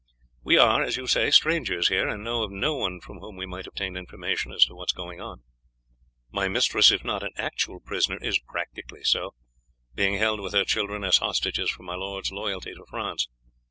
We are, as you say, strangers here, and know of no one from whom we might obtain information as to what is going on. My mistress, if not an actual prisoner, is practically so, being held with her children as hostages for my lord's loyalty to France.